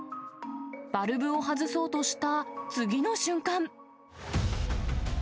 バルブを外そうとした次の瞬間。